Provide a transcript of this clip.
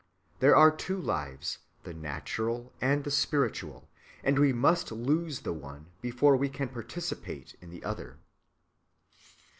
There are two lives, the natural and the spiritual, and we must lose the one before we can participate in the other.